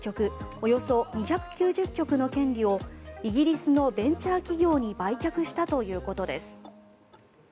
およそ２９０曲の権利をイギリスのベンチャー企業に売却したということです。